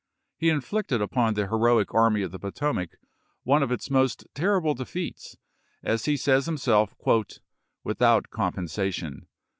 He inflicted upon the heroic Army of the Potomac one of its most terrible defeats, as he says himself, " without compensation."